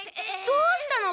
どうしたの？